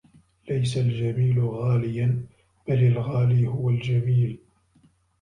ليس الجميل غالياً بل الغالي هو الجميل.